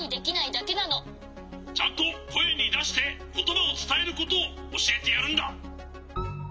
「ちゃんとこえにだしてことばをつたえることをおしえてやるんだ！」。